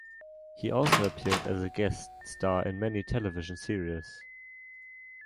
He also appeared as a guest star in many television series.